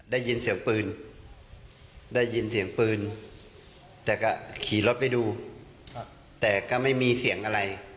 ได้ยินเสียงปืนได้ยินเสียงปืนแต่ก็ขี่รถไปดูแต่ก็ไม่มีเสียงอะไร